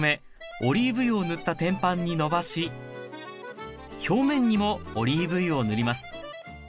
オリーブ油を塗った天板にのばし表面にもオリーブ油を塗ります。